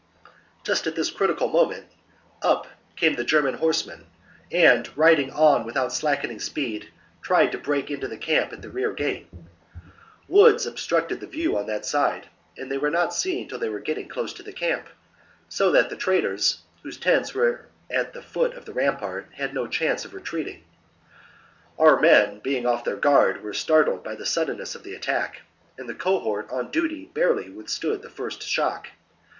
37. Just at this critical moment up came the German horsemen, and, riding right on without slackening speed, tried to break into the camp at the rear gate : woods obstructed the view on that side, and they were not seen till they were getting close to the camp, so that the traders, whose VI ILL OMENED ADUATUCA 199 tents were at the foot of the rampart, had no 53 b.c. chance of retreating. Our men, being off their guard, were startled by the suddenness of the attack, and the cohort on duty barely withstood the first shock.